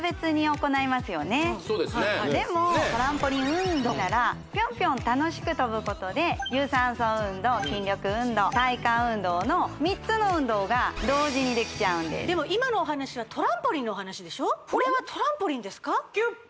そうですねでもトランポリン運動ならピョンピョン楽しく跳ぶことで有酸素運動筋力運動体幹運動の３つの運動が同時にできちゃうんですでも今のお話はトランポリンのお話でしょ？